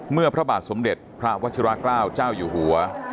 พระบาทสมเด็จพระวัชิราเกล้าเจ้าอยู่หัว